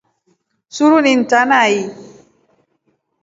Suru ni ntaa nai.